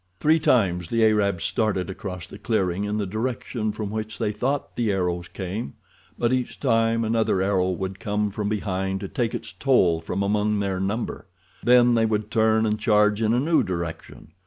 Three times the Arabs started across the clearing in the direction from which they thought the arrows came, but each time another arrow would come from behind to take its toll from among their number. Then they would turn and charge in a new direction.